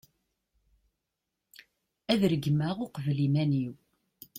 ad regmeɣ uqbel iman-iw